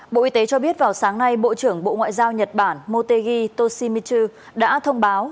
bộ y tế cho biết vào sáng nay bộ trưởng bộ ngoại giao nhật bản motegi toshimitchu đã thông báo